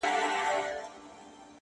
لـكــه دی لـــونــــــگ.!